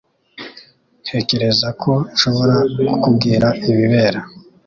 Ntekereza ko nshobora kukubwira ibibera.